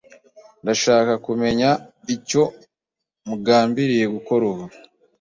Ndashaka kumenya icyo mugambiriye gukora ubu.